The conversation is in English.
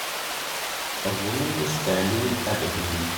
A woman is standing in Aberdeen.